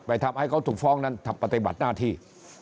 ทำให้เขาถูกฟ้องนั้นปฏิบัติหน้าที่